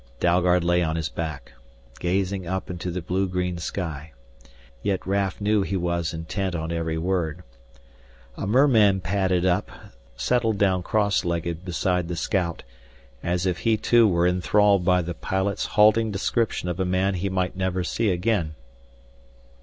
Dalgard lay on his back, gazing up into the blue green sky. Yet Raf knew that he was intent on every word. A merman padded up, settled down cross legged beside the scout, as if he too were enthralled by the pilot's halting description of a man he might never see again.